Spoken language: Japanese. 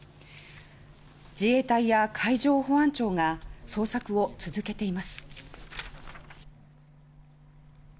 自衛隊や海上保安庁が捜索を続けています。